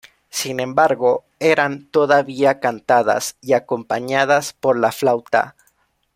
Sin embargo, eran todavía cantadas y acompañadas por la flauta.